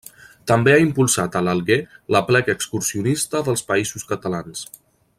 També ha impulsat a l'Alguer l'Aplec Excursionista dels Països Catalans.